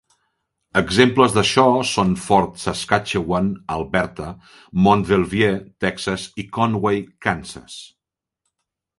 Exemples d'això són Fort Saskatchewan, Alberta; Mont Belvieu, Texas; i Conway, Kansas.